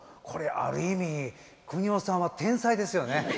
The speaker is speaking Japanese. これある意味くにおさんは天才ですよね。